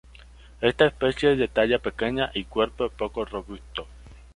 Esta especie es de talla pequeña y cuerpo poco robusto.